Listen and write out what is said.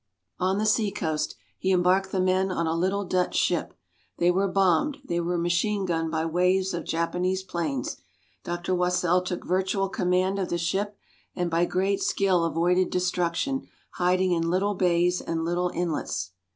On the sea coast, he embarked the men on a little Dutch ship. They were bombed, they were machine gunned by waves of Japanese planes. Dr. Wassell took virtual command of the ship, and by great skill avoided destruction, hiding in little bays and little inlets.